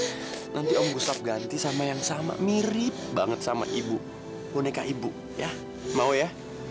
nanti om gustaf ganti sama yang sama mirip banget sama ibu boneka ibu ya mau ya